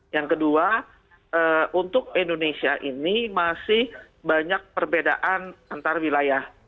yang kedua untuk indonesia ini masih banyak perbedaan antar wilayah